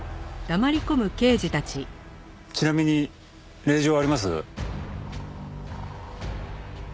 ちなみに令状はあります？